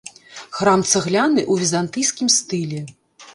Храм цагляны ў візантыйскім стылі.